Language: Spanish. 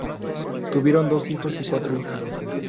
Tuvieron dos hijos y cuatro hijas.